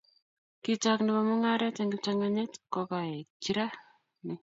Kitok nebo mungaret eng kiptanganyit kokaekchi rani